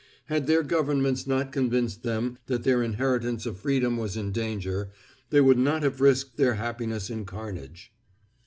Had their Governments not convinced them that their inheritance of freedom was in danger, they would not have risked their happiness in carnage.